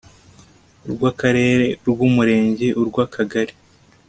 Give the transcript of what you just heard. urw Akarere urw Umurenge n urw Akagari